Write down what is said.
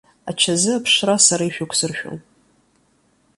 Ачазы аԥшра сара ишәықәсыршәом.